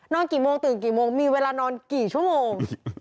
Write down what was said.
กี่โมงตื่นกี่โมงมีเวลานอนกี่ชั่วโมง